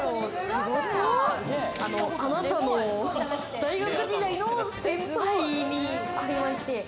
あなたの大学時代の先輩に会いまして。